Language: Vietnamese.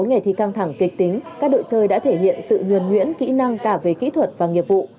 để thi căng thẳng kịch tính các đội chơi đã thể hiện sự nguyện nguyễn kỹ năng cả về kỹ thuật và nghiệp vụ